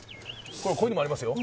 こういうのもありますよ